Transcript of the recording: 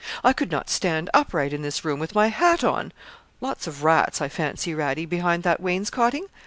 I could not stand upright in this room with my hat on. Lots of rats, I fancy, Radie, behind that wainscoting?